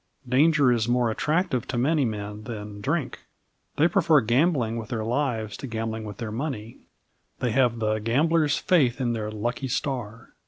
Danger is more attractive to many men than drink. They prefer gambling with their lives to gambling with their money. They have the gambler's faith in their lucky star.